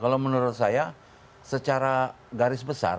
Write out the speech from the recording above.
kalau menurut saya secara garis besar